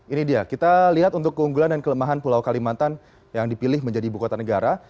ini dia kita lihat untuk keunggulan dan kelemahan pulau kalimantan yang dipilih menjadi ibu kota negara